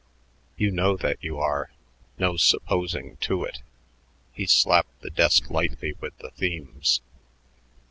"You know that you are; no supposing to it." He slapped the desk lightly with the themes.